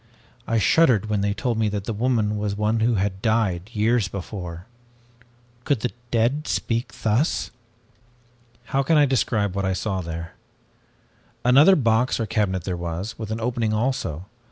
I shuddered when they told me that the woman was one who had died years before. Could the dead speak thus? "How can I describe what I saw there? Another box or cabinet there was, with an opening also.